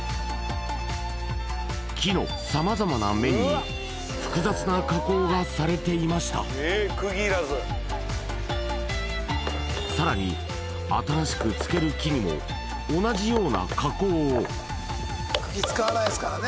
木の様々な面に複雑な加工がされていましたさらに新しくつける木にも同じような加工を釘使わないですからね